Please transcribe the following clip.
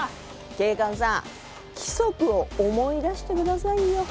警官さん規則を思い出して下さいよ。